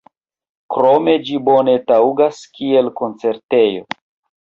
Krome ĝi bone taŭgas kiel koncertejo.